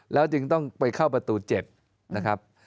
แล้วจึงต้องไปเข้าประตู๗นะครับ